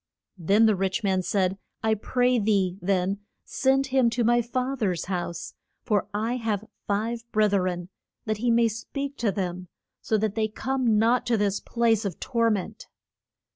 Then the rich man said, I pray thee then send him to my fa ther's house, for I have five breth ren, that he may speak to them, so that they come not to this place of tor ment.